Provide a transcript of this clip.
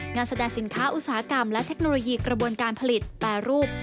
งานแสดงสินค้าอุตสาหกรรมและเทคโนโลยีกระบวนการผลิตแปรรูป